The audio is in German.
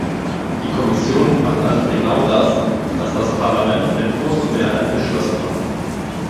Die Kommission macht also genau das, was das Parlament mit großer Mehrheit beschlossen hat.